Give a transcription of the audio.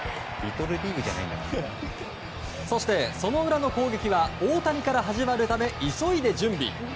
そして、その裏の攻撃は大谷から始まるため急いで準備。